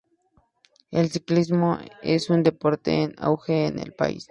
El ciclismo es un deporte en auge en el país.